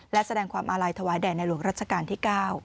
และแสดงความอาลัยถวายแด่ในหลวงรัชกาลที่๙